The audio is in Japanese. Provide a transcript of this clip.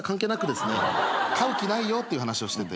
飼う気ないよっていう話をしてて。